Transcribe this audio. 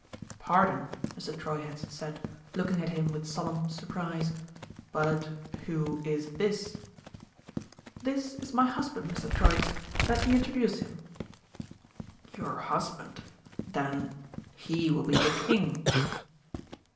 "Pardon," Mr. Treuherz said, looking at him with solemn surprise, "but who is this?" "This is my husband, Mr. Troitz let me introduce him." "Your husband. Then, he will be the King!"